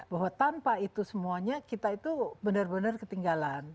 bahwa tanpa itu semuanya kita itu benar benar ketinggalan